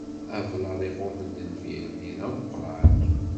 Ablaḍ iɣummen lbir-nni, d ameqran.